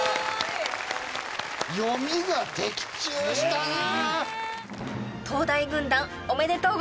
読みが的中したなあ。